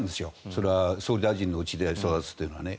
それは総理大臣のうちで育つというのはね。